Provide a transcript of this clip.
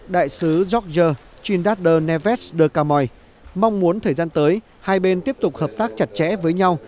đại sứ george trindade neves de camoy mong muốn thời gian tới hai bên tiếp tục hợp tác chặt chẽ với nhau